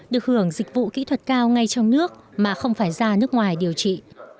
được hưởng dịch vụ kỹ thuật cao ngay trong nước mà không phải ra nước ngoài điều trị